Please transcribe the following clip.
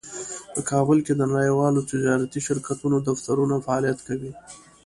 په کابل کې د نړیوالو تجارتي شرکتونو دفترونه فعالیت کوي